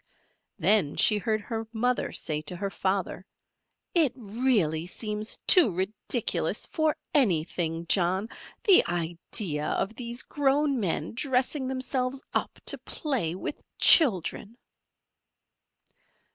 Then she heard her mother say to her father: "It really seems too ridiculous for any thing, John, the idea of these grown men dressing themselves up to play with children."